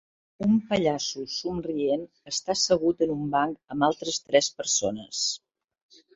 Un pallasso somrient està assegut en un banc amb altres tres persones.